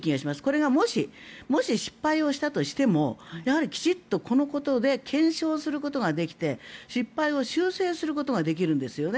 これがもし、失敗をしたとしてもきちんとこのことで検証することができて失敗を修正することができるんですね。